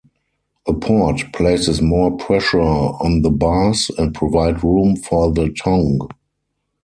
A port places more pressure on the bars, and provide room for the tongue.